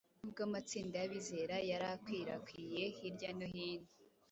Nubwo amatsinda y’abizera yari akwirakwiye hirya no hino,